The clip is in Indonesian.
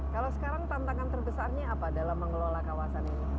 kalau sekarang tantangan terbesarnya apa dalam mengelola kawasan ini